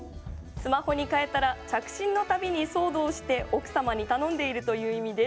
スマホに替えたら着信の度に騒動して奥様に頼んでいるという意味です。